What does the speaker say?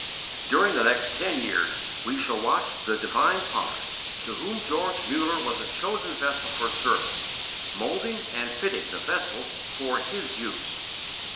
During the next ten years we shall watch the divine Potter, to Whom George Muller was a chosen vessel for service, moulding and fitting the vessel for His use.